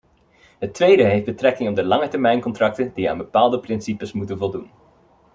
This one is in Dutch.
Het tweede heeft betrekking op de langetermijncontracten die aan bepaalde principes moeten voldoen.